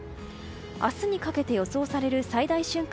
明日にかけて予想される最大瞬間